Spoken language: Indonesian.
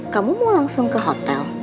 kamu mau langsung ke hotel